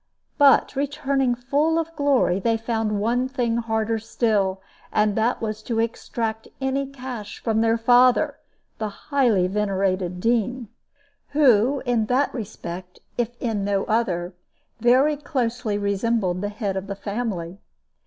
But, returning full of glory, they found one thing harder still, and that was to extract any cash from their father, the highly venerated Dean, who in that respect, if in no other, very closely resembled the head of the family.